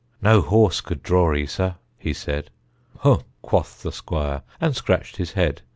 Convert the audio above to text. "No horse could draw 'ee sir," he said. "Humph!" quoth the squire and scratched his head.